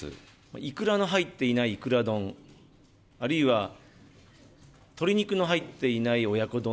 イクラの入っていないイクラ丼、あるいは鶏肉の入っていない親子丼。